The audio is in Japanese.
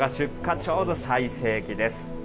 ちょうど最盛期です。